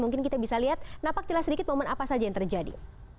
mungkin kita bisa lihat napaktilah sedikit momen apa saja yang terjadi